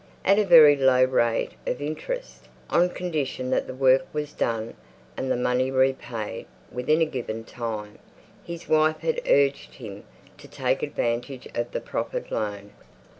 at a very low rate of interest, on condition that the work was done, and the money repaid, within a given time, his wife had urged him to take advantage of the proffered loan.